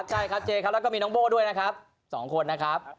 ใช่ครับเจแลอ็กก็มีน้องโบ้ด้วยนะครับสองคนนะครับ